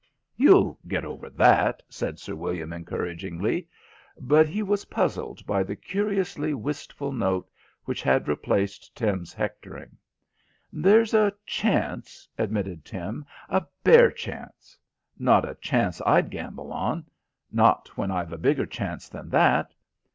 "You'll get over that," said Sir William encouragingly; but he was puzzled by the curiously wistful note which had replaced Tim's hectoring. "There's a chance," admitted Tim. "A bare chance. Not a chance I'd gamble on. Not when I've a bigger chance than that.